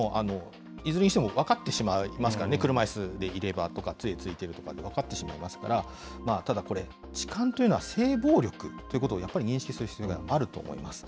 いずれにしても分かってしまいますからね、車いすでいればとか、つえをついてるとかで分かってしまいますから、ただこれ、痴漢というのは性暴力ということを、やっぱり認識する必要があると思います。